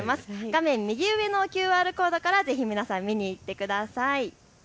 画面右上のＱＲコードからぜひ皆さん、見にいってください。